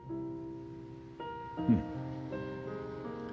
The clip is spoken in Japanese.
うん。